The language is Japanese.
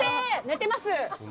寝てます。